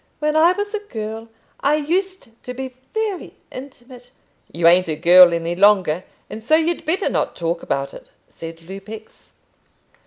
"When I was a girl, I used to be very intimate " "You ain't a girl any longer, and so you'd better not talk about it," said Lupex.